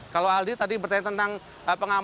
kalau aldi tadi bertanya tentang pengamanan